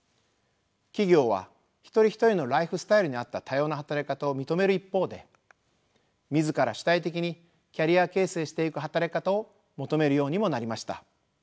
企業は一人一人のライフスタイルに合った多様な働き方を認める一方で自ら主体的にキャリア形成していく働き方を求めるようにもなりました。